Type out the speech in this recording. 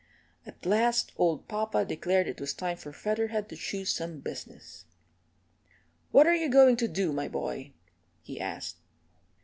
At last old papa declared it was time for Featherhead to choose some business. "What are you going to do, my boy?" he asked.